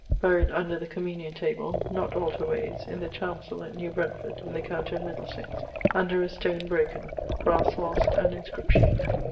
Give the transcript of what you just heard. Buried under the communion table, not alter waies, in the chancell at New Brentford in the county of Middlesex, under a stone broken; brasse lost and inscription.